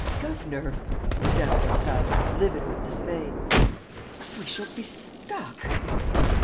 "G governor," stammered Octave, livid with dismay, "we shall be stuck!"